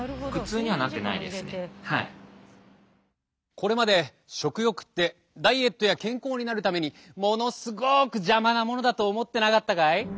これまで食欲ってダイエットや健康になるためにものすごく邪魔なものだと思ってなかったかい？